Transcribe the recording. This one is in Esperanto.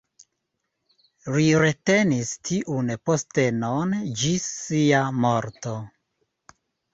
Li retenis tiun postenon ĝis sia morto.